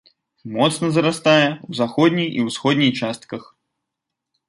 Моцна зарастае ў заходняй і ўсходняй частках.